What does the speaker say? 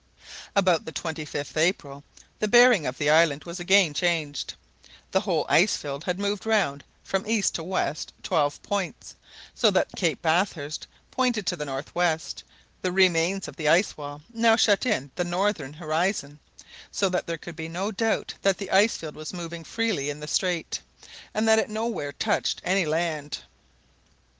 About the 25th April the bearing of the island was again changed, the whole ice field had moved round from east to west twelve points, so that Cape Bathurst pointed to the north west. The last remains of the ice wall now shut in the northern horizon, so that there could be no doubt that the ice field was moving freely in the strait, and that it nowhere touched any land.